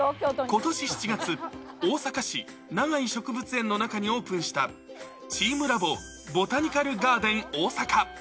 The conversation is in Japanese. ことし７月、大阪市長居植物園の中にオープンした、チームラボボタニカルガーデン大阪。